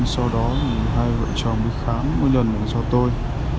sau đó thì hai vợ chồng đi khám một lần là do tôi